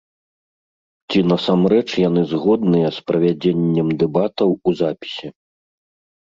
Ці насамрэч яны згодныя з правядзеннем дэбатаў у запісе.